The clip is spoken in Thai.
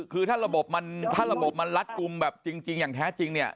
คือถ้าระบบมันลัดกลุ่มแบบจริงอย่างแท้จริงเนี่ย